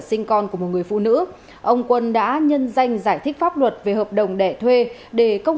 sinh con của một người phụ nữ ông quân đã nhân danh giải thích pháp luật về hợp đồng đẻ thuê để công